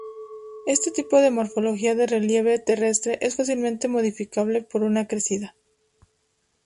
Este tipo de morfología del relieve terrestre es fácilmente modificable por una crecida.